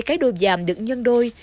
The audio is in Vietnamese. cái đôi giàm được nhân đôi